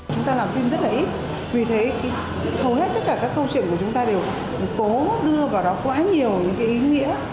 chúng ta làm phim rất là ít vì thế hầu hết tất cả các câu chuyện của chúng ta đều cố đưa vào đó quá nhiều những ý nghĩa